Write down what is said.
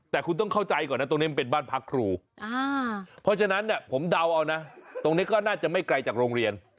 เพราะฉะนั้นผมเดาเอานะตรงนี้ก็น่าจะไม่ไกลจากโรงเรียน